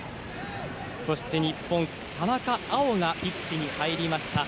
そして日本は田中碧がピッチに入りました。